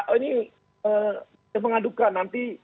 ini mengadukan nanti